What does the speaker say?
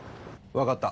わかった。